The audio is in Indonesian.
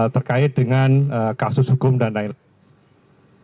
terkait dengan kasus hukum dan lain lain